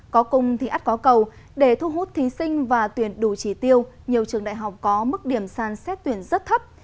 có cung thì át có cầu để thu hút thí sinh và tuyển đủ trì tiêu nhiều trường đại học có mức điểm sàn xét tuyển rất thấp